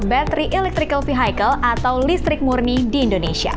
battery electrical vehicle atau listrik murni di indonesia